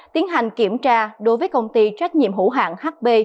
tiến hành kiểm tra đối với công ty trách nhiệm hữu hạng hb